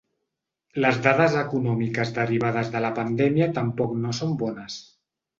Les dades econòmiques derivades de la pandèmia tampoc no són bones.